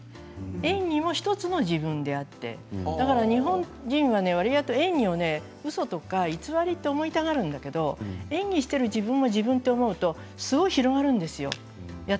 演技も１つの自分であって日本人はわりと演技をうそとか偽りと思いたがるんだけれど演技をしている自分も自分だと思うとすごい広がるんですよ。